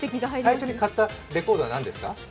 最初に買ったレコードは何ですか？